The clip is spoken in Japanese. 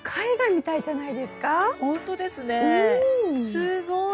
すごい！